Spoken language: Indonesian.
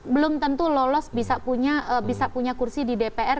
belum tentu lolos bisa punya kursi di dpr